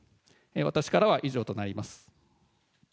私からは以上となります。